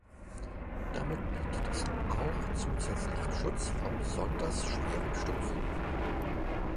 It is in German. Damit bietet es auch zusätzlichen Schutz vor besonders schweren Sturmfluten.